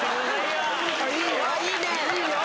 いいね！